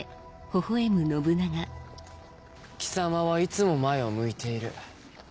貴様はいつも前を向いている。